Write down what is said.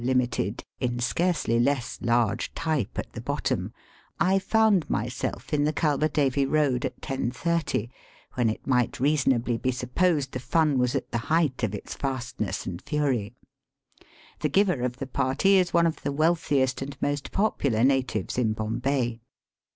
(Limited) in scarcely less large type at the bottom, I found myself in the Kalbadevi Road about 10.30, when it might reasonably be supposed the fun was at the height of its fast ness and fury. The giver of the party is one of the wealthiest and most popular natives in Bombay.